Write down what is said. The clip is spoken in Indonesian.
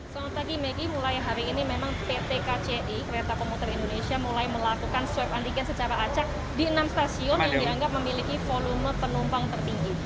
selamat pagi megi mulai hari ini memang pt kci kereta komuter indonesia mulai melakukan swab antigen secara acak di enam stasiun yang dianggap memiliki volume penumpang tertinggi